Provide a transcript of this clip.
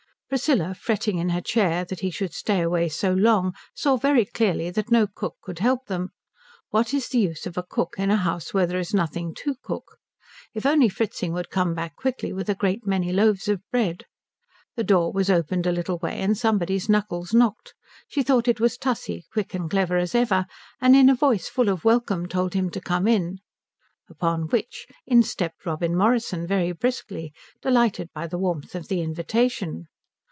Priscilla fretting in her chair that he should stay away so long saw very clearly that no cook could help them. What is the use of a cook in a house where there is nothing to cook? If only Fritzing would come back quickly with a great many loaves of bread! The door was opened a little way and somebody's knuckles knocked. She thought it was Tussie, quick and clever as ever, and in a voice full of welcome told him to come in; upon which in stepped Robin Morrison very briskly, delighted by the warmth of the invitation.